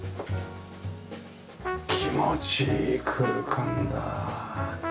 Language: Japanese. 気持ちいい空間だ。